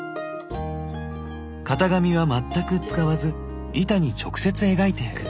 型紙は全く使わず板に直接描いていく。